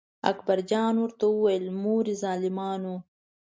اکبر جان ورته وویل: مورې ظالمانو.